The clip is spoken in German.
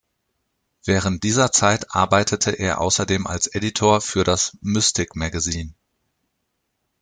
Während dieser Zeit arbeitete er außerdem als Editor für das "Mystic Magazine".